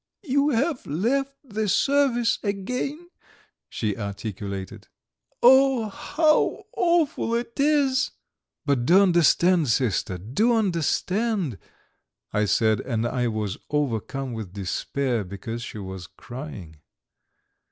"You have left the service again ..." she articulated. "Oh, how awful it is!" "But do understand, sister, do understand ...." I said, and I was overcome with despair because she was crying.